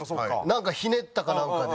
なんかひねったかなんかで。